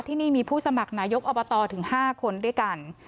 ที่นี่มีผู้สมัครนายกอบตถึง๕คนด้วยกัน